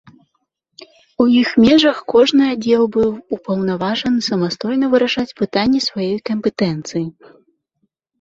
У іх межах кожны аддзел быў упаўнаважаны самастойна вырашаць пытанні сваёй кампетэнцыі.